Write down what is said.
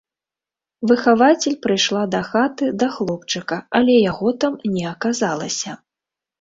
Выхавацель прыйшла дахаты да хлопчыка, але яго там не аказалася.